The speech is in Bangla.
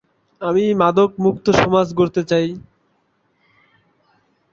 সপ্তদশ লোকসভা নির্বাচনে প্রতাপগড় বিধানসভা কেন্দ্রের বিধায়ক সঙ্গম লাল গুপ্তা হিসেবে নির্বাচিত হন।